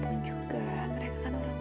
terima kasih ya bang